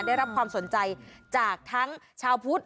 ได้รับความสนใจจากทั้งชาวพุทธ